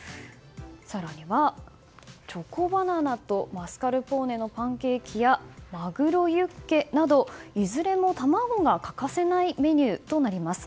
更には、チョコバナナとマスカルポーネのパンケーキやまぐろユッケなど、いずれも卵が欠かせないメニューとなります。